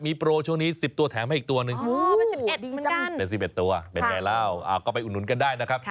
แพร์โปรช่วงนี้๑๐ตัวแถมให้อีกตัว๑เป็น๑๑ตัวเป็นไงแล้วก็ไปอุดนุนกันได้นะครับ